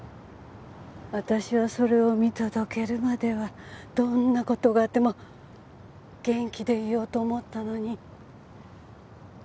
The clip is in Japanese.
私はそれを見届けるまではどんな事があっても元気でいようと思ったのに。